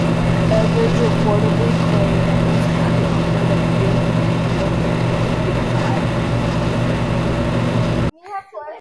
Evans reportedly claimed that the valley offered a view that no painter could beautify.